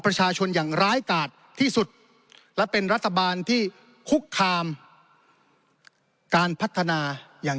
อย่างร้ายกาดที่สุดและเป็นรัฐบาลที่คุกคามการพัฒนาอย่าง